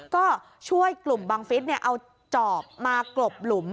ก็ช่วยกลุ่มบังฟิศเอาจอบมากรบหลุม